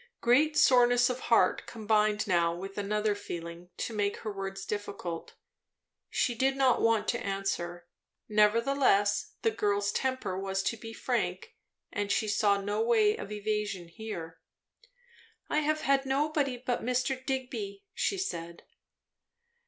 Great soreness of heart combined now with another feeling to make her words difficult. She did not at all want to answer. Nevertheless the girl's temper was to be frank, and she saw no way of evasion here. "I have had nobody but Mr. Digby," she said.